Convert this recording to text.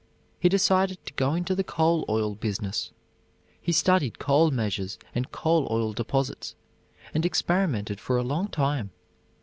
He decided to go into the coal oil business; he studied coal measures and coal oil deposits, and experimented for a long time.